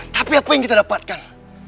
tapi apa yang kita dapatkan